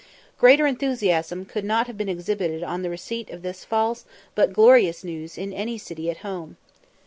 Greater enthusiasm could not have been exhibited on the receipt of this false but glorious news in any city at home.